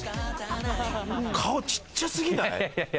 顔ちっちゃすぎない？